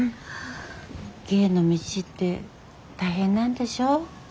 芸の道って大変なんでしょ。